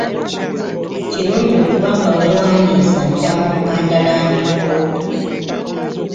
Kirungi okuba nga weewandiisa dda mu Buganda Land Board.